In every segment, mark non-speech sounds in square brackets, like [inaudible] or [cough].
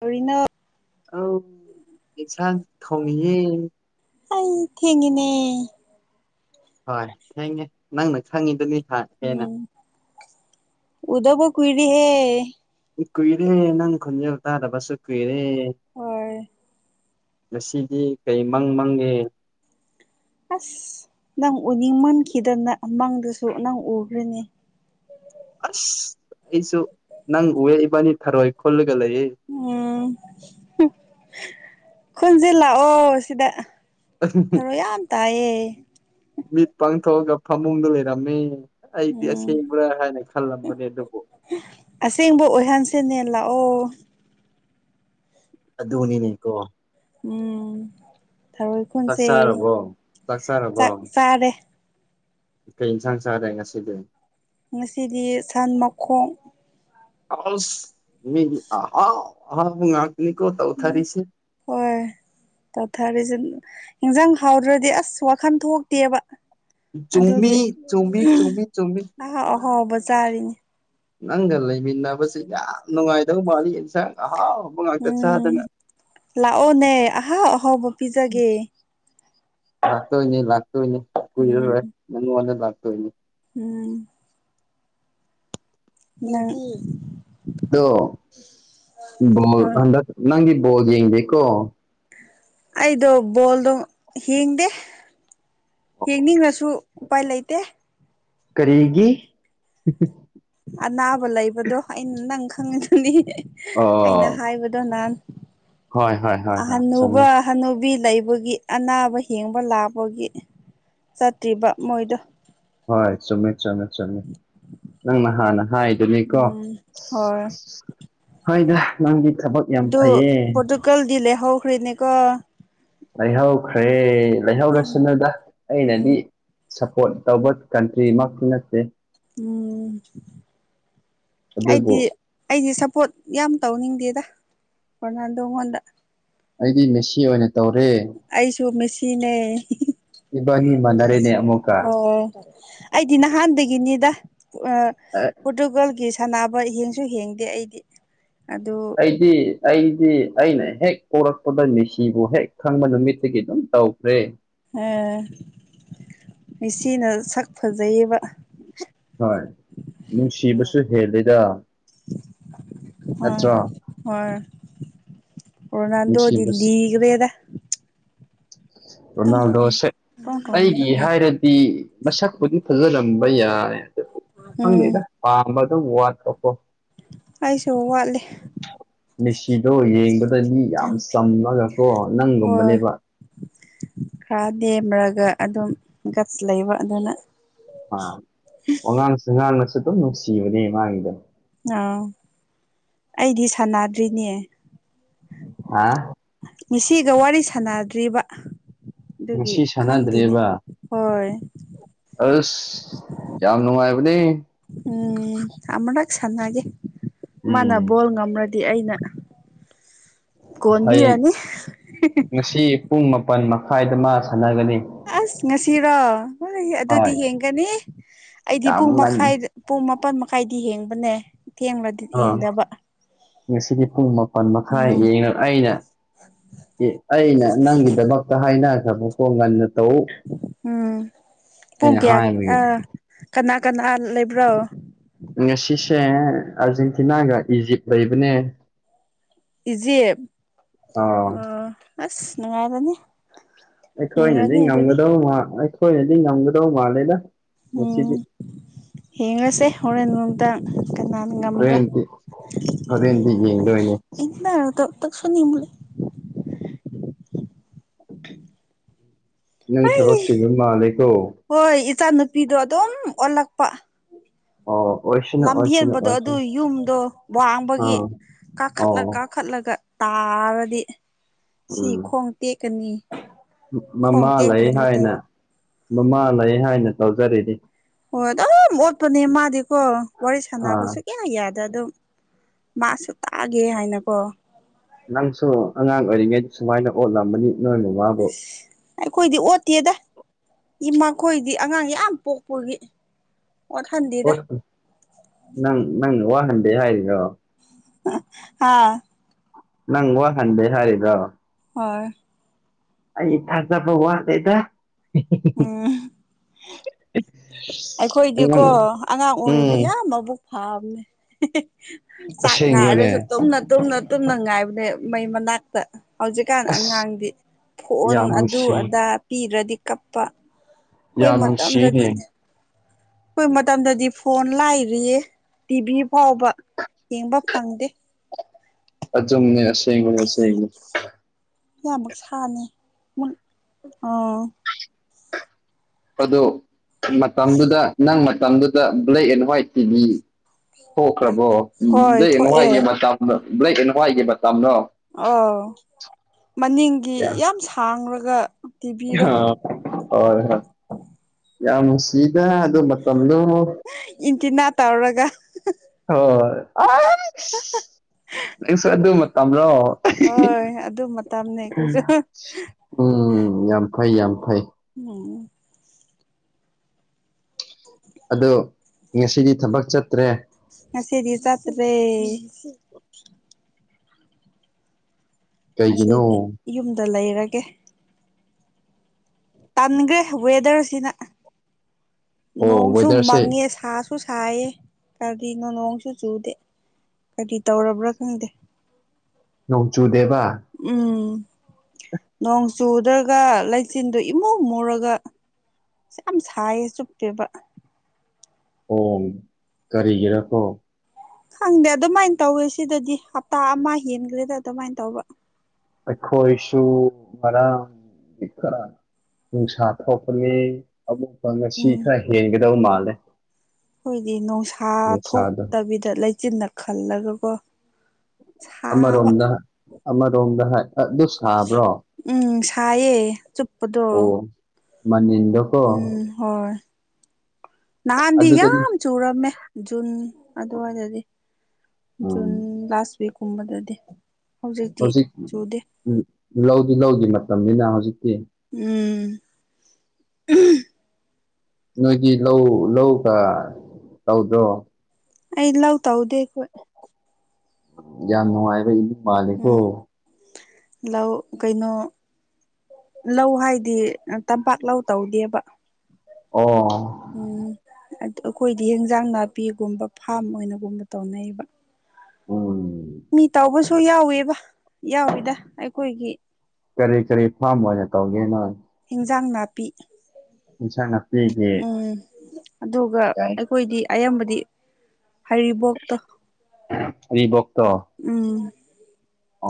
ꯀꯔꯤꯅꯣ ꯑꯧ ꯏꯟꯁꯥꯡ ꯊꯣꯡꯉꯤꯌꯦ ꯑꯩ ꯊꯦꯡꯉꯤꯅꯦ ꯍꯣꯏ ꯊꯦꯡꯉꯦ ꯅꯪꯅ ꯈꯪꯉꯤꯗꯨꯅꯤ ꯍꯥꯏ ꯎꯝ ꯎꯗꯕ ꯀꯨꯏꯔꯦꯍꯦ ꯀꯨꯏꯔꯦ ꯅꯪ ꯈꯣꯟꯖꯦꯜ ꯇꯥꯗꯕꯁꯨ ꯀꯨꯏꯔꯦ ꯍꯣꯏ ꯉꯁꯤꯗꯤ ꯀꯩ ꯃꯪ ꯃꯪꯒꯦ ꯑꯁ ꯅꯪ ꯎꯅꯤꯡꯃꯟꯈꯤꯗꯅ ꯃꯪꯗꯁꯨ ꯅꯪ ꯎꯈ꯭ꯔꯦꯅꯦ ꯑꯁ ꯑꯩꯁꯨ ꯅꯪ ꯎꯌꯦ ꯏꯕꯥꯅꯤ ꯊꯔꯣꯏ ꯈꯨꯜꯂꯒ ꯂꯩꯌꯦ ꯎꯝ ꯈꯨꯣꯟꯁꯦ ꯂꯥꯛꯑꯣ ꯁꯤꯗ ꯊꯔꯣꯏ ꯌꯥꯝ ꯇꯥꯏꯌꯦ ꯃꯤꯠ ꯄꯥꯡꯊꯣꯛꯑꯒ ꯐꯃꯨꯡꯗ ꯂꯩꯔꯝꯃꯤ ꯑꯩꯗꯤ ꯎꯝ ꯑꯁꯦꯡꯕ꯭ꯔꯥ ꯍꯥꯏꯅ ꯈꯜꯂꯝꯕꯅꯦ ꯑꯗꯨꯕꯨ ꯑꯁꯦꯡꯕ ꯑꯣꯏꯍꯟꯁꯤꯅꯦ ꯂꯥꯛꯑꯣ ꯑꯗꯨꯅꯤꯅꯦ ꯀꯣ ꯎꯝ ꯊꯔꯣꯏ ꯆꯥꯛ ꯈꯨꯟꯁꯦ ꯆꯥꯔꯕꯣ ꯆꯥꯛ ꯆꯥꯔꯕꯣ ꯆꯥꯛ ꯆꯥꯔꯦ ꯀꯩ ꯏꯟꯁꯥꯡ ꯆꯥꯔꯦ ꯉꯁꯤꯗꯤ ꯉꯁꯤꯗꯤ ꯁꯟ ꯃꯈꯣꯡ ꯑꯁ ꯃꯤꯁꯤ ꯑꯍꯥꯎ ꯑꯍꯥꯎꯕ ꯉꯥꯛꯇꯅꯤꯀꯣ ꯎꯝ ꯇꯧꯊꯔꯤꯁꯤ ꯍꯣꯏ ꯇꯧꯊꯔꯤꯁꯤ ꯏꯟꯖꯥꯡ ꯍꯥꯎꯗ꯭ꯔꯗꯤ ꯑꯁ ꯋꯥꯈꯟ ꯊꯣꯛꯇꯦꯕ ꯆꯨꯝꯃꯤ ꯑꯗꯨꯒꯤ ꯆꯨꯝꯃꯤ ꯆꯨꯝꯃꯤ ꯆꯨꯝꯃꯤ ꯑꯍꯥꯎ ꯑꯍꯥꯎꯕ ꯆꯥꯔꯤꯅꯤ ꯅꯪꯒ ꯂꯩꯃꯤꯟꯅꯕꯁꯤ ꯌꯥꯝ ꯅꯨꯡꯉꯥꯏꯗꯧ ꯃꯥꯜꯂꯤ ꯑꯦꯟꯁꯥꯡ ꯑꯍꯥꯎ ꯎꯝ ꯂꯥꯛꯑꯣꯅꯦ ꯑꯍꯥꯎ ꯑꯍꯥꯎꯕ ꯄꯤꯖꯒꯦ ꯂꯥꯛꯇꯣꯏꯅꯤ ꯂꯥꯛꯇꯣꯏꯅꯤ ꯎꯝ ꯀꯨꯏꯔꯔꯣꯏ ꯅꯪꯉꯣꯟꯗ ꯂꯥꯛꯇꯣꯏꯅꯤ ꯎꯝ [unintelligible] ꯗꯣ ꯕꯣꯜ ꯍꯟꯗꯛ ꯅꯪꯒꯤ ꯕꯣꯜ ꯌꯦꯡꯗꯦꯀꯣ ꯑꯩꯗꯣ ꯕꯣꯜꯗꯣ ꯌꯦꯡꯗꯦ ꯌꯦꯡꯅꯤꯡꯔꯁꯨ ꯎꯄꯥꯏ ꯂꯩꯇꯦ ꯀꯔꯤꯒꯤ ꯑꯅꯥꯕ ꯂꯩꯕꯗꯣ ꯑꯩꯅ ꯅꯪ ꯈꯪꯉꯤꯗꯨꯅꯤ ꯑꯩꯅ ꯑꯣ ꯍꯥꯏꯕꯗꯣ ꯅꯍꯥꯟ ꯍꯣꯏ ꯍꯣꯏ ꯍꯣꯏ ꯍꯣꯏ ꯆꯨꯝꯃꯦ ꯍꯅꯨꯕ ꯍꯅꯨꯕꯤ ꯂꯩꯕꯒꯤ ꯑꯅꯥꯕ ꯌꯦꯡꯕ ꯂꯥꯛꯄꯒꯤ ꯆꯠꯇ꯭ꯔꯤꯕ ꯃꯣꯏꯗꯣ ꯍꯣꯏ ꯆꯨꯨꯝꯃꯤ ꯆꯨꯨꯝꯃꯤ ꯆꯨꯨꯝꯃꯤ ꯅꯪꯅ ꯍꯥꯟꯅ ꯍꯥꯏ ꯗꯨꯅꯤꯀꯣ ꯎꯝ ꯍꯣꯏ ꯍꯣꯏꯗ ꯅꯪꯒꯤ ꯊꯕꯛ ꯌꯥꯝ ꯑꯗꯨ ꯐꯩꯌꯦ ꯄꯣꯔꯇꯨꯒꯜ ꯗꯤ ꯂꯩ ꯍꯧꯈ꯭ꯔꯦꯅꯦꯀꯣ ꯂꯩꯍꯧꯈ꯭ꯔꯦ ꯎꯝ ꯂꯩꯍꯧꯔꯁꯅꯨꯗ ꯑꯩꯅꯗꯤ ꯁꯞꯄꯣꯔꯠ ꯇꯧꯕ ꯀꯟꯇ꯭ꯔꯤꯃꯛꯇꯤ ꯅꯠꯇꯦ ꯎꯝ ꯑꯗꯨꯕꯨ ꯑꯩꯗꯤ ꯑꯩꯗꯤ ꯁꯞꯄꯣꯔꯠ ꯌꯥꯝ ꯇꯧꯅꯤꯡꯗꯦꯗ ꯔꯣꯅꯥꯟꯗꯣꯉꯣꯟꯗ ꯑꯩꯗꯤ ꯃꯦꯁꯤ ꯑꯣꯏꯅ ꯇꯧꯔꯦ ꯑꯩꯁꯨ ꯃꯦꯁꯤꯅꯦ ꯏꯕꯥꯅꯤ ꯃꯥꯟꯅꯔꯦꯅꯦ ꯑꯃꯨꯛꯀ ꯑꯣ ꯑꯩꯗꯤ ꯅꯍꯥꯟꯗꯒꯤꯅꯤꯗ ꯑ ꯑ ꯄꯣꯔꯇꯨꯒꯜꯒꯤ ꯁꯥꯟꯅꯕ ꯍꯦꯡꯁꯨ ꯍꯦꯡꯗꯦ ꯑꯩꯗꯤ ꯑꯗꯨ ꯑꯩꯗꯤ -ꯑꯩꯗꯤ ꯑꯩꯅ ꯍꯦꯛ ꯄꯣꯔꯛꯄꯗꯩ ꯃꯦꯁꯤꯕꯨ ꯍꯦꯛ ꯈꯪꯕ ꯅꯨꯃꯤꯠꯇꯒꯤ ꯑꯗꯨꯝ ꯇꯧꯈ꯭ꯔꯦ꯫ ꯑꯣ ꯃꯤꯁꯤꯅ ꯁꯛ ꯐꯖꯩꯌꯦꯕ ꯍꯣꯏ ꯅꯨꯁꯤꯕꯁꯨ ꯍꯦꯜꯂꯤꯗ ꯍ ꯅꯠꯇ꯭ꯔꯣ ꯍꯣꯏ ꯔꯣꯅꯥꯗꯣꯗꯤ ꯅꯨꯡꯁꯤꯕꯁ ꯂꯤꯈ꯭ꯔꯗ ꯇꯝꯃꯛꯅ ꯔꯣꯅꯥꯜꯗꯣꯁꯦ ꯄ꯭ꯔꯣꯡ ꯑꯩꯒꯤ ꯇꯣꯡꯅꯤꯡꯂꯛꯅꯤ ꯍꯥꯏꯔꯗꯤ ꯃꯁꯛꯄꯨꯗꯤ ꯐꯖꯔꯝꯕ ꯌꯥꯏ ꯑꯗꯨ ꯎꯝ ꯈꯪꯗꯦꯗ ꯄꯥꯝꯕ ꯑꯗꯨꯝ ꯋꯥꯠꯄꯀꯣ꯫ ꯑꯩꯁꯨ ꯋꯥꯠꯂꯤ ꯃꯤꯁꯤꯗꯣ ꯌꯦꯡꯕꯗ ꯃꯤ ꯌꯥꯝ ꯆꯝꯃꯒꯀꯣ ꯍꯣꯏ ꯅꯪꯒꯨꯝꯕꯅꯦꯕ꯫ ꯈꯔ ꯅꯦꯝꯃꯔꯒ ꯑꯗꯨꯝ ꯒꯠꯁ ꯂꯩꯕ ꯑꯗꯨꯅ ꯑꯥ ꯋꯥꯉꯥꯡꯁꯨ- ꯁꯥꯉꯥꯡꯒꯁꯨ ꯑꯗꯨꯝ ꯅꯨꯡꯁꯤꯕꯅꯦ ꯃꯥꯒꯤꯗꯣ ꯑꯥ ꯑꯩꯗꯤ ꯁꯥꯟꯅꯗ꯭ꯔꯤꯅꯦ꯫ ꯍꯥ ꯃꯤꯁꯤꯗꯣ ꯋꯥꯔꯤ ꯁꯥꯟꯅꯗ꯭ꯔꯤꯕ ꯑꯗꯨꯒꯤ ꯉꯁꯤ ꯈꯪꯗꯦꯅꯦ ꯁꯥꯟꯅꯗ꯭ꯔꯦꯕ ꯍꯣꯏ꯫ ꯑꯁ ꯌꯥꯝ ꯅꯨꯡꯉꯥꯏꯕꯅꯦ꯫ ꯎꯝ ꯑꯃꯔꯛ ꯁꯥꯅꯒꯦ ꯃꯥꯟꯅ ꯎꯝ ꯕꯣꯜ ꯉꯝꯔꯗꯤ ꯑꯩꯅ ꯀꯣꯟꯕꯤꯔꯅꯤ꯫ ꯉꯥꯁꯤ ꯄꯨꯡ ꯃꯥꯄꯟ ꯃꯈꯥꯏꯗ ꯃꯥ ꯁꯥꯟꯅꯒꯅꯤ꯫ ꯑꯁ ꯉꯁꯤꯔꯣ ꯍꯣꯏ ꯑꯗꯨꯗꯤ ꯌꯦꯟꯒꯅꯤ ꯑꯩꯗꯤ ꯌꯥꯝ ꯄꯨꯡ ꯉꯟ ꯃꯈꯥꯏꯗ ꯄꯨꯡ ꯃꯥꯄꯜ ꯃꯈꯥꯏꯗꯤ ꯍꯦꯡꯕꯅꯦ ꯑꯥ ꯉꯁꯤꯗꯤ ꯄꯨꯡ ꯃꯥꯄꯜ ꯃꯈꯥꯏ ꯎꯝ ꯌꯦꯡꯉ ꯑꯩꯅ ꯑꯩꯅ ꯅꯪꯒꯤꯗꯃꯛꯇ ꯍꯥꯏꯅꯈ꯭ꯔꯕꯀꯣ ꯉꯟꯅ ꯇꯧ ꯎꯝ ꯄꯨꯡ ꯑꯩꯅ ꯀꯌꯥ ꯍꯥꯏꯕꯒꯤ ꯑ ꯀꯅꯥ- ꯀꯅꯥ ꯂꯩꯕ꯭ꯔꯣ? ꯉꯁꯤꯁꯦ ꯑꯥꯔꯖꯦꯟꯇꯤꯅꯥꯒ ꯏꯖꯤꯞ ꯂꯩꯕꯅꯦ ꯏꯖꯤꯞ ꯑꯥ ꯑ ꯑꯁ ꯅꯨꯡꯉꯥꯏꯔꯅꯤ ꯑꯩꯈꯣꯏꯅꯗꯤ ꯌꯦꯡꯔꯅꯤ ꯑꯗꯨꯗꯤ ꯉꯝꯒꯗꯧꯕ ꯑꯩꯈꯣꯏꯅꯗꯤ ꯉꯝꯒꯗꯧꯕ ꯃꯥꯜꯂꯦꯗ꯫ ꯎꯝ ꯉꯁꯤꯗꯤ ꯍꯦꯡꯉꯁꯦ ꯍꯣꯔꯦꯟ ꯅꯨꯡꯗꯥꯡ ꯀꯅꯥꯅ ꯉꯝꯕ꯭ꯔꯥ ꯍꯣꯔꯦꯟꯗꯤ ꯍꯣꯔꯦꯟꯗꯤ ꯌꯦꯡꯗꯣꯏꯅꯦ [unintelligible] ꯅꯪ ꯊꯕꯛ ꯍꯩ ꯆꯤꯟꯕ ꯃꯥꯜꯂꯦꯀꯣ ꯍꯣꯏ ꯏꯆꯜ ꯅꯨꯨꯄꯤꯗꯣ ꯑꯗꯨꯝ ꯑꯣꯜꯂꯛꯄ ꯑꯣ ꯎꯁ ꯂꯝꯍꯦꯟꯕꯗꯣ ꯑꯗꯨ ꯌꯨꯝꯗꯣ ꯋꯥꯡꯕꯒꯤ ꯑꯥ ꯀꯥꯈꯠꯂꯥ ꯑꯣ ꯀꯥꯈꯠꯂꯒ ꯇꯥꯔꯗꯤ ꯁꯤ ꯎꯝ ꯈꯣꯡ ꯇꯦꯛꯀꯅꯤ ꯈꯣꯡ ꯃꯃꯥ ꯇꯦꯛꯄ ꯂꯩ ꯉꯥꯛꯇ ꯍꯥꯏꯅ ꯃꯃꯥ ꯂꯩ ꯍꯥꯏꯅ ꯇꯧꯖꯔꯤꯅꯤ ꯍꯣꯏ ꯑꯗꯨꯝ ꯑꯣꯠꯄꯅꯦ ꯃꯥꯗꯤꯀꯣ ꯋꯥꯔꯤ ꯑꯥ ꯁꯥꯟꯅꯕꯁꯨ ꯁꯨꯛꯌꯥ ꯌꯥꯗꯦ ꯑꯗꯨꯝ ꯃꯥꯁꯨ ꯇꯥꯒꯦ ꯍꯥꯏꯅꯀꯣ꯫ ꯅꯪꯁꯨ ꯑꯉꯥꯡ ꯑꯣꯏꯔꯤꯉꯩꯗ ꯁꯨꯃꯥꯏꯅ ꯑꯣꯠꯂꯝꯃꯅꯤ ꯅꯣꯏꯅ ꯑꯁ ꯑꯩꯈꯣꯏꯗꯤ ꯑꯣꯠꯇꯦꯗ ꯏꯃꯥꯈꯣꯏꯗꯤ ꯑꯉꯥꯡ ꯌꯥꯝ ꯄꯣꯛꯄꯒꯤ ꯑꯣꯠꯍꯟꯗꯦꯗ ꯑꯣꯇꯦ ꯅꯪ ꯅꯪꯅ ꯋꯥꯍꯟꯗ꯭ꯔꯦ ꯍꯥꯏꯔꯤꯔꯣ? ꯍꯥꯥ ꯅꯪ ꯋꯥꯍꯟꯗꯦ ꯍꯥꯏꯔꯤꯕ꯭ꯔꯣ ꯍꯣꯏ ꯑꯩ ꯊꯥꯖꯕ ꯋꯥꯠꯂꯤꯗ ꯎꯝ ꯑꯩꯈꯣꯏꯗꯤꯀꯣ ꯑꯉꯥꯡ ꯑꯉꯥꯡ ꯑꯣꯏꯔꯤꯗ ꯎꯝ ꯌꯥꯝ ꯃꯕꯨꯛ ꯐꯥꯕꯅꯦ ꯆꯥꯛ ꯑꯁꯦꯡꯕ꯭ꯔꯅꯦ ꯉꯥꯏꯔꯁꯨ ꯇꯨꯝꯅ ꯇꯨꯝꯅ ꯇꯨꯝꯒ ꯉꯥꯏꯕꯅꯦ ꯃꯩ ꯃꯅꯥꯛꯇ ꯍꯧꯖꯤꯛꯀꯥꯟ ꯑꯁ ꯑꯉꯥꯡꯗꯤ ꯐꯣꯟ ꯌꯥꯝ ꯑꯗꯨ ꯅꯨꯡꯁꯤ ꯑꯗꯥ ꯄꯤꯗ꯭ꯔꯗꯤ ꯀꯞꯄ ꯈꯣꯏ ꯌꯥꯝ ꯃꯇꯝꯗꯗꯤ ꯅꯨꯡꯁꯤꯅꯦ ꯑꯈꯣꯏ ꯃꯇꯝꯗꯗꯤ ꯐꯣꯟ ꯂꯥꯏꯔꯤꯌꯦ ꯇꯤꯚꯤ ꯐꯥꯎꯕ ꯌꯦꯡꯕ ꯐꯪꯗꯦ ꯑꯆꯨꯝꯕꯅꯦ ꯑꯁꯦꯡꯕꯅꯤ ꯑꯁꯦꯡꯕꯅꯤ [unintelligible] ꯑꯗꯣ ꯃꯇꯝꯗꯨꯗ ꯅꯪ ꯃꯇꯝꯗꯨꯗ ꯕ꯭ꯂꯦꯛ ꯑꯦꯟ ꯍ꯭ꯋꯥꯏꯠ ꯇꯤꯕꯤ ꯊꯣꯛꯈ꯭ꯔꯕꯣ ꯍꯣꯏ ꯕ꯭ꯂꯦꯛ ꯑꯦꯟ ꯊꯣꯛꯑꯦ ꯍ꯭ꯋꯥꯏꯠꯒꯤ ꯃꯇꯝ ꯕ꯭ꯂꯦꯛ ꯑꯦꯟ ꯍ꯭ꯋꯥꯏꯠꯒꯤ ꯃꯇꯝꯂꯣ ꯑꯥꯎ ꯃꯅꯤꯡꯒꯤ ꯌꯥꯝ ꯁꯥꯡꯔꯒ ꯇꯤꯚꯤꯗꯣ ꯑꯥ ꯍꯣꯏ ꯍꯣꯏ ꯌꯥꯝ ꯅꯨꯡꯁꯤꯗ ꯑꯗꯨ ꯃꯇꯝꯗꫭ ꯏꯟꯇꯤꯅꯥ ꯇꯧꯔꯒ ꯍꯣꯏ ꯑꯁ ꯅꯪꯁꯨ ꯑꯗꯨ ꯃꯇꯝꯔꫭ ꯍꯣꯏ ꯑꯗꯨ ꯃꯇꯝꯅꯦ ꯑꯩꯈꯣꯏꯁꯨ ꯎꯝ ꯌꯥꯝ ꯐꯩ ꯌꯥꯝ ꯐꯩ ꯎꯝ ꯑꯗꯣ ꯉꯁꯤꯗꯤ ꯊꯕꯛ ꯆꯠꯇ꯭ꯔꯦ ꯉꯁꯤꯗꯤ ꯆꯠꯇꯔꯦ ꯀꯩꯒꯤꯅꯣ ꯉꯁꯤꯗꯤ ꯌꯨꯝꯗ ꯂꯩꯔꯒꯦ ꯇꯟꯒ꯭ꯔꯦ ꯋꯦꯗꯔꯁꯤꯅ ꯑꯣ ꯅꯣꯡꯁꯨ ꯋꯦꯗꯔꯁꯦ ꯃꯪꯉꯦ ꯁꯥꯁꯨ ꯁꯥꯏꯌꯦ ꯀꯔꯤꯅꯣ ꯅꯣꯡꯁꯨ ꯆꯨꯗꯦ ꯀꯔꯤ ꯇꯧꯔꯕ꯭ꯔꯥ ꯈꯪꯗꯦ ꯅꯣꯡ ꯆꯨꯗꯦꯕ ꯎꯝ ꯅꯣꯡ ꯆꯨꯗ꯭ꯔꯒ ꯂꯩꯆꯤꯟꯗꯨ ꯏꯃꯨ ꯃꯨꯔꯒ ꯌꯥꯝ ꯁꯥꯏꯌꯦ ꯆꯨꯞꯄꯦꯕ ꯑꯣ ꯀꯔꯤꯒꯤꯔꯥ ꯀꯣ ꯈꯪꯗꯦ ꯑꯗꯨꯃꯥꯏ ꯇꯧꯋꯦ ꯁꯤꯗꯗꯤ ꯍꯞꯇꯥ ꯑꯃ ꯍꯦꯟꯈ꯭ꯔꯦꯗ ꯑꯗꯨꯃꯥꯏꯅ ꯇꯧꯕ ꯑꯩꯈꯣꯏꯁꯨ ꯉꯔꯥꯡꯗꯤ ꯈꯔ ꯅꯨꯡꯁꯥ ꯊꯣꯛꯄꯅꯤ ꯑꯃꯨꯛꯀ ꯉꯁꯤ ꯎꯝ ꯈꯔ ꯍꯦꯟꯒꯗꯕ ꯃꯥꯜꯂꯦ ꯑꯈꯣꯏꯗꯤ ꯅꯨꯡꯁꯥ ꯅꯨꯡꯁꯥꯗꯣ ꯊꯣꯛꯇꯕꯤꯗ ꯂꯩꯆꯤꯟꯅ ꯈꯜꯂꯒꯀꯣ ꯁꯥꯕ ꯑꯃꯔꯣꯝꯗ ꯑꯃꯔꯣꯝꯗ ꯍꯥꯏ ꯑꯗꯨ ꯁꯥꯕ꯭ꯔꯣ ꯎꯝ ꯁꯥꯏꯌꯦ ꯆꯨꯞꯄꯗꯣ ꯑꯣ ꯃꯅꯤꯜꯗꯣ ꯎꯝ ꯍꯣꯏ ꯅꯍꯥꯟꯗꯤ ꯑꯗꯨꯗꯗꯤ ꯌꯥꯝ ꯆꯨꯔꯝꯃꯦ ꯖꯨꯟ ꯑꯗꯨꯋꯥꯏꯗꯗꯤ ꯖꯨꯟ ꯎꯝ ꯂꯥꯁ ꯋꯤꯛ ꯀꯨꯝꯕꯗꯗꯤ ꯍꯧꯖꯤꯛ ꯂꯧꯗꯤ ꯂꯧꯒꯤ ꯃꯇꯝꯅꯤꯅ ꯍꯧꯖꯤꯛꯇꯤ ꯎꯝ ꯅꯣꯏꯒꯤ ꯂꯧ ꯂꯧꯒ ꯇꯧꯗ꯭ꯔꯣ ꯑꯩ ꯂꯧ ꯇꯧꯗꯦ ꯑꯩꯈꯣꯏ ꯌꯥꯝ ꯅꯨꯡꯉꯥꯏꯕ ꯏꯃꯨꯡ ꯃꯥꯜꯂꯤꯀꯣ ꯎꯝ ꯂꯧ ꯀꯩꯅꯣ ꯂꯧ ꯍꯥꯏꯗꯤ ꯇꯝꯄꯥꯛ ꯂꯧ ꯇꯧꯗꯦꯕ ꯑꯣ ꯎꯝ ꯑꯩꯈꯣꯏꯗꯤ ꯏꯟꯖꯥꯡ ꯅꯥꯄꯤꯒꯨꯝꯕ ꯐꯥꯝ ꯑꯣꯏꯅꯒꯨꯝꯕ ꯇꯧꯅꯩꯌꯦꯕ ꯎꯝ ꯃꯤ ꯇꯧꯕꯁꯨ ꯌꯥꯎꯋꯦꯕ ꯌꯥꯎꯋꯤꯗ ꯑꯩꯈꯣꯏꯒꯤ ꯀꯔꯤ ꯀꯔꯤ ꯐꯥꯝ ꯑꯣꯏꯅ ꯇꯧꯒꯦ ꯅꯣꯏ ꯏꯟꯖꯥꯡ ꯅꯥꯄꯤ ꯏꯁꯥꯡ ꯅꯥꯞꯄꯤꯒꯤ ꯎꯝ ꯑꯗꯨꯒ ꯑꯩꯈꯣꯏꯗꯤ ꯑꯌꯥꯝꯕꯗꯤ ꯍꯩꯔꯤꯕꯣꯛꯇꯣ ꯍꯩꯔꯤꯕꯣꯛꯇꯣ ꯎꯝ ꯑ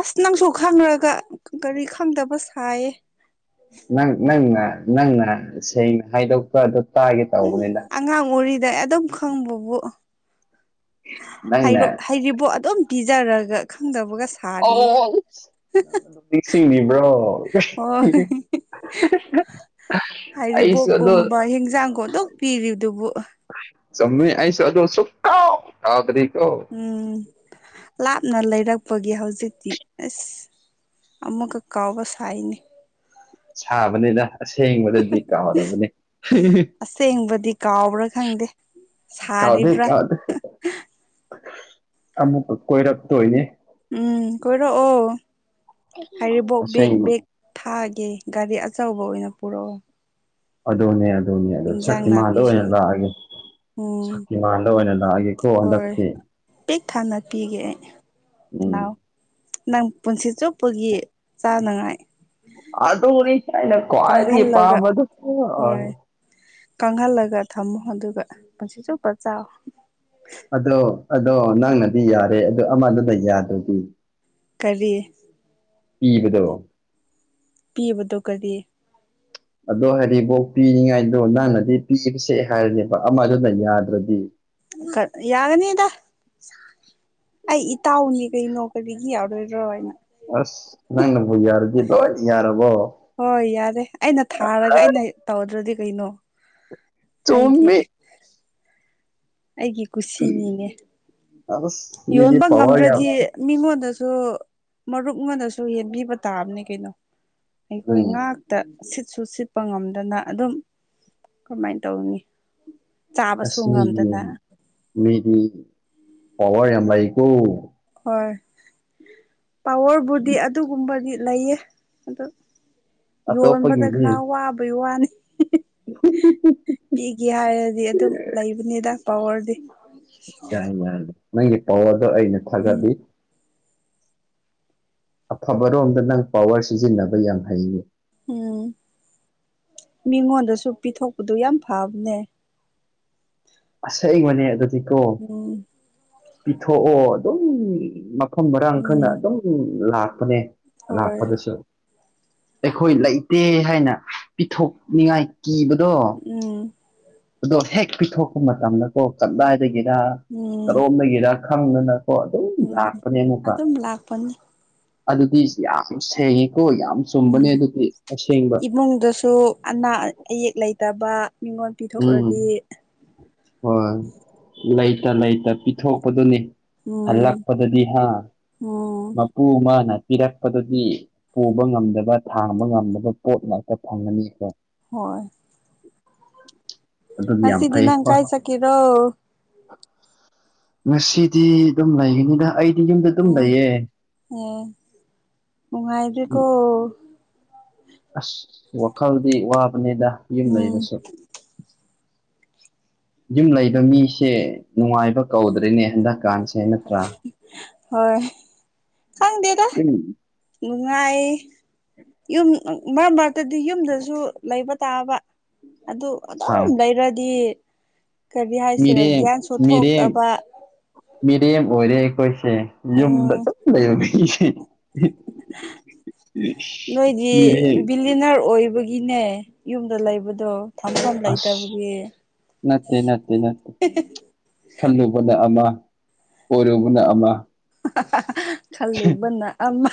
ꯑꯁ ꯅꯪꯁꯨ ꯈꯪꯔꯒ ꯀꯔꯤ ꯈꯪꯗꯕ ꯁꯥꯏꯌꯦ ꯅꯪ ꯅꯪꯅ ꯅꯪꯅ ꯁꯦꯡꯅ ꯍꯥꯏꯗꯣꯛꯄ ꯑꯗꯨ ꯇꯥꯒꯦ ꯇꯧꯕꯅꯤꯅ ꯑꯉꯥꯡ ꯑꯣꯏꯔꯤꯗ ꯑꯗꯨꯝ ꯈꯪꯕꯕꯨ [inaudible] ꯍꯥꯏꯔ ꯍꯥꯏꯔꯤꯕꯣ ꯑꯗꯨꯝ ꯄꯤꯖꯔꯒ ꯈꯪꯗꯕꯒ ꯁꯥ ꯊꯥꯔꯤ ꯍ ꯑꯣ ꯅꯤꯡꯁꯤꯡꯂꯤꯕ꯭ꯔꯣ ꯑꯣ ꯑꯩꯁꯨ ꯑꯗꯣ ꯍꯥꯏꯔꯤꯕꯣꯛꯀꯨꯝꯕ ꯍꯤꯟꯖꯥꯡꯒꯨꯝꯗꯣꯛ ꯄꯤꯔꯤꯕꯗꯨꯕꯨ ꯆꯨꯨꯝꯃꯤ ꯑꯩꯁꯨ ꯑꯗꯣ ꯁꯨꯛꯀꯥꯎ ꯀꯥꯎꯗꯔꯤꯀꯣ ꯎꯝ ꯂꯥꯞꯅ ꯂꯩꯔꯛꯄꯒꯤ ꯍꯧꯖꯤꯛꯇꯤ ꯑꯁ ꯑꯃꯛꯒ ꯀꯥꯎꯕ ꯁꯥꯏꯅꯤ ꯁꯥꯕꯅꯤꯅ ꯑꯁꯦꯡꯕꯗꯗꯤ ꯀꯥꯎꯗꯕꯅꯤ ꯑꯁꯦꯡꯕꯗꯤ ꯀꯥꯎꯕ ꯀꯗꯩ ꯀꯥꯗꯇ ꯑꯃꯨꯛꯀ ꯀꯣꯏꯔꯛꯇꯣꯏꯅꯦ ꯎꯝ ꯀꯣꯏꯔꯛꯑꯣ ꯍꯥꯏꯔꯤꯕꯣꯛ ꯕꯦꯛ ꯑꯁꯦꯡꯕ ꯕꯦꯛ ꯊꯥꯒꯦ ꯒꯥꯔꯤ ꯑꯆꯧꯕ ꯑꯣꯏꯅ ꯄꯨꯔꯛꯑꯣ ꯑꯗꯨꯅꯦ ꯑꯗꯨꯅꯦ ꯑꯗꯨ ꯏꯟꯖꯥꯡ ꯁꯛꯇꯤꯃꯗ ꯅꯥꯄꯤꯁꯨ ꯑꯣꯏꯅ ꯂꯥꯛꯑꯒꯦ ꯎꯝ ꯁꯛꯇꯤꯃꯥꯟꯗ ꯑꯣꯏꯅ ꯂꯥꯛꯑꯒꯦꯀꯣ ꯍꯟꯗꯛꯇꯤ ꯄꯦꯛ ꯊꯥꯅ ꯄꯤꯒꯦ ꯑꯩ ꯎꯝ ꯂꯥꯎ ꯅꯪ ꯄꯨꯟꯁꯤ ꯆꯨꯞꯄꯒꯤ ꯆꯥꯅꯉꯥꯏ ꯑꯗꯨꯅꯤ ꯑꯩꯅꯥ ꯈꯋꯥꯏꯗꯒꯤ ꯀꯪꯍꯜꯂꯒ ꯄꯥꯝꯕꯗꯨ ꯑꯣꯏ ꯍꯣꯏ ꯀꯪꯍꯜꯂꯒ ꯊꯝꯃꯣ ꯑꯗꯨꯒ ꯄꯨꯟꯁꯤ ꯆꯨꯞꯄ ꯆꯥꯎ ꯑꯗꯣ ꯑꯗꯣ ꯅꯪꯅꯗꯤ ꯌꯥꯔꯦ ꯑꯗꯣ ꯑꯃꯗꯨꯅ ꯌꯥꯗ꯭ꯔꯗꯤ ꯀꯔꯤ ꯄꯤꯕꯗꯣ ꯄꯤꯕꯗꯣ ꯀꯔꯤ ꯑꯗꯣ ꯍꯥꯏꯔꯤꯕꯣꯛ ꯄꯤꯅꯤꯡꯉꯥꯏꯗꯣ ꯅꯪꯅꯗꯤ ꯄꯤꯕꯁꯦ ꯍꯥꯏꯔꯅꯦꯕ ꯑꯃꯗꯨꯅ ꯌꯥꯗ꯭ꯔꯗꯤ ꯌꯥꯒꯅꯤꯗ ꯑꯩ ꯏꯇꯥꯎꯅꯤ ꯀꯩ ꯅꯣ ꯀꯔꯤꯒꯤ ꯌꯥꯎꯔꯣꯏꯗ꯭ꯔꯣ ꯍꯥꯏꯅ ꯑꯁ ꯅꯪ ꯅꯕꯨ ꯌꯥꯔꯗꯤ ꯂꯣꯏ ꯌꯥꯔꯕꯣ ꯍꯣꯏ ꯌꯥꯔꯦ ꯑꯩꯅ ꯊꯥꯔꯒ ꯑꯥ ꯑꯩꯅ ꯇꯧꯗ꯭ꯔꯗꯤ ꯀꯩꯅꯣ ꯑꯩꯒꯤ ꯆꯨꯝꯃꯤ ꯑꯩꯒꯤ ꯀꯨꯁꯤꯅꯤꯅꯦ ꯑꯁ ꯃꯤꯗꯤ ꯌꯣꯟꯕ ꯄꯋꯥꯔ ꯌꯥꯝ ꯉꯝꯗ꯭ꯔꯗꯤ ꯃꯤꯉꯣꯟꯗꯁꯨ ꯃꯔꯨꯞꯉꯣꯟꯗꯁꯨ ꯌꯦꯟꯕꯤꯕ ꯇꯥꯕꯅꯦ ꯀꯩꯅꯣ ꯑꯩꯈꯣꯏ ꯎꯝ ꯉꯥꯛ ꯇ ꯁꯤꯠꯁꯨ ꯁꯤꯠꯄ ꯉꯝꯗꯅ ꯑꯗꯨꯝ ꯀꯃꯥꯏꯟ ꯇꯧꯅꯤ ꯆꯥꯕꯁꯨ ꯑꯁ ꯉꯝꯗꯅ ꯃꯤꯒꯤꯌꯨꯝ ꯃꯤꯗꯤ ꯄꯋꯥꯔ ꯌꯥꯝ ꯂꯩꯀꯣ ꯍ‌ꯧꯏ ꯄꯋꯥꯔꯕꯨꯗꯤ ꯑꯠ ꯇꯨꯒꯨꯝꯕꯒꯤ ꯂꯩꯌꯦ ꯑꯗ‌ꯣ ꯌꯣꯟꯕꯗ ꯈꯔ ꯑꯇꯣꯞꯄꯒꯤꯗꯤ ꯋꯥꯕꯩ ꯋꯥꯅꯤ [unintelligible] ꯄꯤꯒꯦ ꯍꯥꯏꯔꯗꯤ ꯑꯗꯨꯝ ꯂꯩꯕꯅꯤꯗ ꯄꯋꯥꯔꯗꯤ ꯌꯥꯏ ꯌꯥꯏ ꯅꯪꯒꯤ ꯄꯋꯥꯔꯗꯣ ꯑꯩꯅ ꯎꯝ ꯊꯥꯒꯠꯂꯤ ꯑꯐꯕꯔꯣꯝꯗ ꯅꯪ ꯄꯋꯥꯔ ꯁꯤꯖꯤꯟꯅꯕ ꯌꯥꯝ ꯍꯩꯅ‌ꯦ ꯎꯝ ꯃꯤꯉꯣꯟꯗꯁꯨ ꯄꯤꯊꯣꯛꯄꯗꯨ ꯌꯥꯝ ꯐꯕꯅꯦ ꯑꯁ‌ꯦꯡꯕꯅꯦ ꯑꯗꯨꯗꯤ ꯀꯣ ꯎꯝ ꯄꯤꯊꯣꯛꯑꯣ ꯑꯗꯨꯝ ꯃꯐꯝ ꯃꯔꯥꯡ ꯈꯪꯅ ꯎꯝ ꯑꯗꯨꯝ ꯂꯥꯛ ꯄꯅꯦ ꯍꯣꯏ ꯂꯥꯛꯄꯗꯁꯨ ꯑꯩꯈꯣꯏ ꯂꯩꯇꯦ ꯍꯥꯏꯅ ꯄꯤꯊꯣꯛꯅꯤꯡꯉꯥꯏ ꯀꯤꯕꯗꯣ ꯎꯝ ꯑꯗꯣ ꯍꯦꯛ ꯄꯤꯊꯣꯛꯄ ꯃꯇꯝꯗꯀꯣ ꯀꯗꯥꯏꯗꯒꯤꯔ ꯎꯝ ꯀꯔꯣꯝꯗꯒꯤꯔ ꯈꯪꯗꯅ ꯀ‌ꯣ ꯑꯗꯨꯝ ꯎꯝ ꯂꯥꯛꯄꯅꯦ ꯑꯩꯉ‌ꯣꯟꯗ ꯑꯗꯨꯝ ꯂꯥꯛꯄꯅꯤ ꯑꯗꯨꯗꯤ ꯌꯥꯝ ꯁꯦꯡꯉꯦꯀꯣ ꯌꯥꯝ ꯆꯨꯝꯕꯅꯦ ꯑꯗꯨꯗꯤ ꯑꯁꯦꯡꯕ ꯃꯪ ꯗꯁꯨ ꯑꯅꯥ ꯑꯌꯦꯛ ꯂꯩꯇꯕ ꯃꯤꯉꯣꯟ ꯎꯝ ꯄꯤꯊꯣꯛꯂꯗꯤ ꯍꯣꯏ ꯂꯩꯇ ꯂꯩꯇ ꯄꯤꯊꯣꯛꯄꯗꯨꯅ‌ꯦ ꯎꯝ ꯎꯝ ꯃꯄꯨ ꯃꯅꯥ ꯄꯤꯔꯛꯄꯗꯨꯗꯤ ꯄꯨꯕ ꯉꯝꯗꯕ ꯊꯥꯡꯕ ꯉꯝꯗꯕ ꯄꯣꯠ ꯉꯥꯛꯇ ꯐꯪꯒꯅꯤꯀ‌ꯣ ꯍꯣꯏ ꯑꯗꯨꯝ ꯌꯥꯝ ꯉꯁꯤꯗꯤ ꯐꯩ ꯅꯪ ꯍꯣꯏ ꯀꯥꯏ ꯆꯠꯀ‌ꯦꯔꯣ ꯉꯁꯤꯗꯤ ꯗꯨꯝ ꯂꯩꯒꯅꯤꯗ ꯑꯩꯗꯤ ꯌꯨꯝꯗ ꯗꯨꯝ ꯂꯩꯌꯦ ꯅ‌ꯦ ꯅꯨꯉꯥꯏ ꯗ꯭ꯔꯤꯀꯣ ꯑꯁ ꯋꯥꯈꯜꯗꯤ ꯋꯥꯕꯅꯤꯗ ꯌꯨꯝ ꯎꯝ ꯂꯩꯕꯁꯨ ꯌꯨꯝ ꯂꯩꯕ ꯃꯤꯁꯦ ꯅꯨꯡꯉꯥꯏꯕ ꯀꯧꯗ꯭ꯔꯦꯅꯦ ꯍꯟꯗꯛ ꯀꯥꯟꯁꯦ ꯅꯠꯇ꯭ꯔ‌ꯣ ꯍꯣꯏ ꯈꯪꯗꯦꯗ ꯌꯨꯝ ꯅꯨꯡꯉꯥꯏ ꯌꯨꯝ ꯃꯔꯛ ꯃꯔꯛꯇꯗꯤ ꯌꯨꯝꯗꯁꯨ ꯂꯩꯕ ꯇꯥꯕ ꯑꯗꯨ ꯍꯥ ꯑꯗꯨꯝ ꯂꯩꯔꯗꯤ ꯀꯔꯤ ꯍꯥꯏꯁꯤꯔ ꯃꯤꯔꯦꯝ ꯒ꯭ꯌꯥꯟꯁꯨ ꯃꯤꯔꯦꯝ ꯊꯣꯛꯇꯕ ꯃꯤꯔꯦꯝ ꯑꯣꯏꯔꯦ ꯑꯩꯈꯣꯏꯁꯦ ꯌꯨꯝꯗ ꯎꯝ ꯑꯗꯨꯝ ꯂꯩꯕ [unintelligible] ꯃꯤꯔ‌ꯦ ꯇꯤꯅꯔ ꯑꯣꯏꯕꯒꯤꯅꯦ ꯌꯨꯝꯗ ꯂꯩꯕꯗꯣ ꯊꯝꯐꯝ ꯑꯁ ꯂꯩꯇꯕꯒꯤ ꯅꯠꯇꯦ ꯅꯠꯇꯦ ꯅꯠꯇꯦ ꯈꯜꯂꯨꯕꯅ ꯑꯃꯥ ꯑꯣꯏꯔꯨꯕꯅ ꯑꯃꯥ ꯈꯜꯂꯨꯕꯅ ꯑꯃꯥ